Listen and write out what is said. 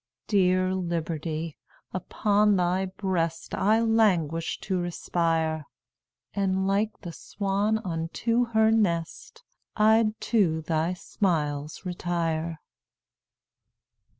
"Dear Liberty! upon thy breast I languish to respire; And, like the swan unto her nest, I'd to thy smiles retire."